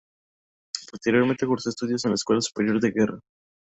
Posteriormente cursó estudios en la Escuela Superior de Guerra.